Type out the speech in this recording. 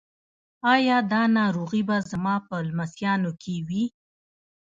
ایا دا ناروغي به زما په لمسیانو کې وي؟